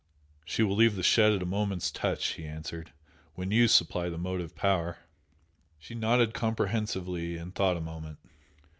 "She will leave the shed at a moment's touch" he answered "when YOU supply the motive power!" She nodded comprehensively, and thought a moment.